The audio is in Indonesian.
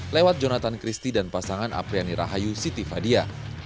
lewat jonathan christie dan pasangan apriani rahayu siti fadia